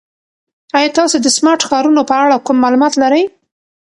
ایا تاسو د سمارټ ښارونو په اړه کوم معلومات لرئ؟